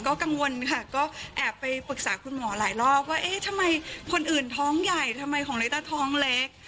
ก็กังวลค่ะก็แอบไปปรึกษาคุณหมอหลายรอบว่าเอ๊ะทำไมคนอื่นท้องใหญ่ทำไมของลิต้าท้องเล็ก